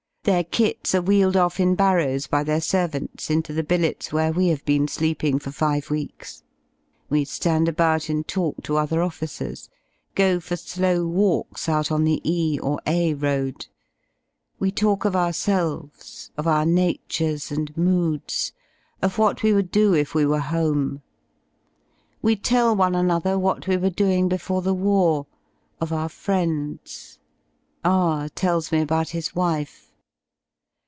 Their kits are wheeled off in barrows by their servants into the billets where we have been sleeping for five weeks. We ^and about and talk to other officers, go for slow walks out on the E or A Road: we talk of ourselves, of our natures and moods, of what we would do if we were home: we tell one another what we were doing before the war; of our friends. R tells me about his wife.